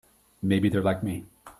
Maybe they're like me.